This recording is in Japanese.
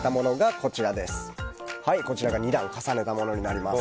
こちらが２段重ねたものになります。